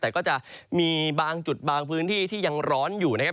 แต่ก็จะมีบางจุดบางพื้นที่ที่ยังร้อนอยู่นะครับ